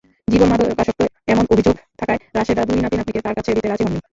জীবন মাদকাসক্ত—এমন অভিযোগ থাকায় রাশেদা দুই নাতি-নাতনিকে তাঁর কাছে দিতে রাজি হননি।